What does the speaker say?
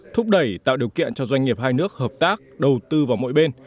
thúc đẩy tạo điều kiện cho doanh nghiệp hai nước hợp tác đầu tư vào mỗi bên